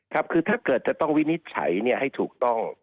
ครับคือถ้าเกิดจะต้องวินิจฉัยให้ถูกต้อง